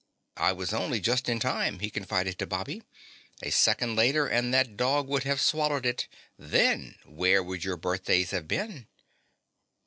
"I was only just in time," he confided to Bobby. "A second later and that dog would have swallowed it. Then where would your birthdays have been?"